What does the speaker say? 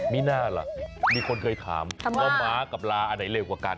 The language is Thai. มีน่าล่ะมีคนเคยถามว่าม้ากับลาอันไหนเร็วกว่ากัน